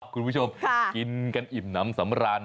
คุณผู้ชมกินกันอิ่มน้ำสำราญ